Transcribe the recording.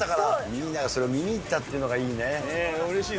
ミーナが、それ見に行ったっていうのがいいねえ。